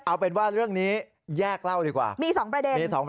เอาเป็นว่าเรื่องนี้แยกเล่าดีกว่ามี๒ประเด็น